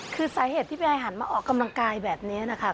คือสาเหตุที่พี่ไอหันมาออกกำลังกายแบบนี้นะคะ